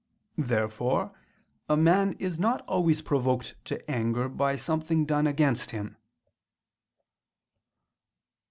Therefore a man is not always provoked to anger by something done against him.